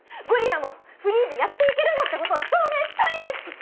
ゴリラもフリーでやっていけるぞってことを証明したいんです！